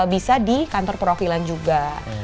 bisa di kantor perwakilan juga